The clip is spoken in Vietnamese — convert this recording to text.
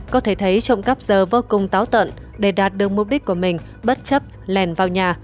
có thể thấy trộm cắp giờ vô cùng táo tận để đạt được mục đích của mình bất chấp lèn vào nhà